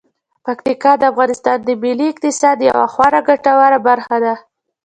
پکتیکا د افغانستان د ملي اقتصاد یوه خورا ګټوره برخه ده.